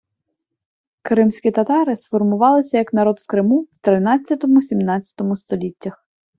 Кримські татари сформувалися як народ в Криму в тринадцятому - сімнадцятому століттях.